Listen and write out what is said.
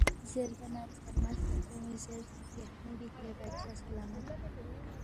زیربا نہ ژھرمہ ژُھونژیون٘ی زیرس، لیخمو گِک لے بادشاہ سلامت